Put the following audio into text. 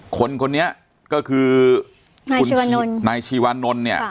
คนคนนี้ก็คือคุณนายชีวานนท์เนี่ย